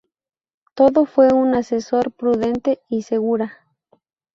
Todo fue un asesor prudente y segura.